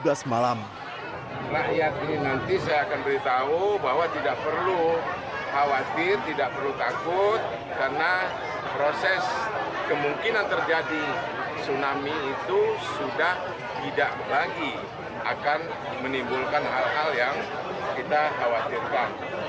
jadi saya akan beritahu bahwa tidak perlu khawatir tidak perlu takut karena proses kemungkinan terjadi tsunami itu sudah tidak lagi akan menimbulkan hal hal yang kita khawatirkan